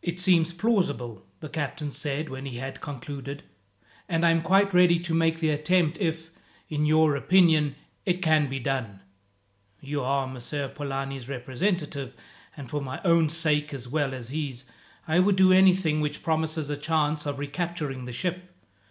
"It seems plausible," the captain said when he had concluded, "and I am quite ready to make the attempt, if, in your opinion, it can be done. You are Messer Polani's representative, and for my own sake as well as his, I would do anything which promises a chance of recapturing the ship.